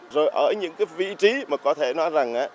rồi ở những vị trí mà có thể nói là